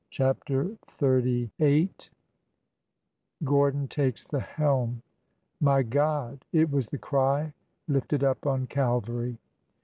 CHAPTER XXXVIII GORDON TAKES THE HELM M y GOD! It was the cry lifted up on Calvary.